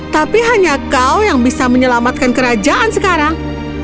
tapi hanya kau yang bisa menyelamatkan kerajaan sekarang